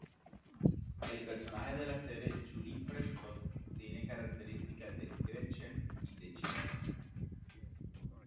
El personaje de la serie, Julie Prescott tiene características de Gretchen y de Jean.